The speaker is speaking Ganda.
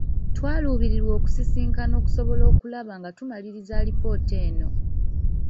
Twakaluubirirwa okusisinkana okusobola okulaba nga tumaliriza alipoota eno.